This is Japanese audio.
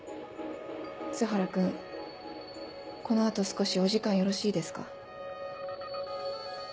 栖原君この後少しお時間よろしいですか？